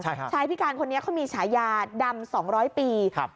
ชายพิการคนนี้เขามีฉายาดำ๒๐๐ปีครับ